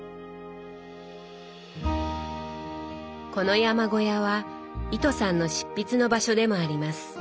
この山小屋は糸さんの執筆の場所でもあります。